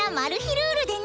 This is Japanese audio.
ルールでね